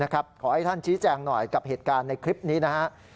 ขอให้ท่านชี้แจงหน่อยกับเหตุการณ์ในคลิปนี้นะครับ